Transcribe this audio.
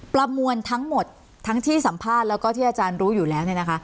ประมวลทั้งหมดทั้งที่สัมภาษณ์แล้วก็ที่อาจารย์รู้อยู่แล้วเนี่ยนะคะ